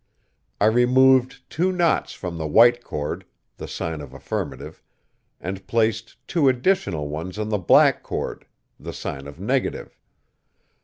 I removed two knots from the white cord the sign of affirmative and placed two additional ones on the black cord the sign of negative.